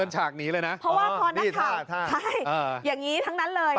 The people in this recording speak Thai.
ใช่เพราะว่าพอนักข่าวใช่อย่างนี้ทั้งนั้นเลยนี่ท่าท่า